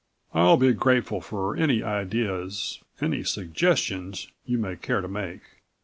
"I'll be grateful for any ideas, any suggestions you may care to make.